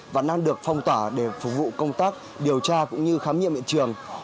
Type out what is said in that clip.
vẫn đang được phong tỏa để phục vụ công tác điều tra cũng như khám nghiệm hiện trường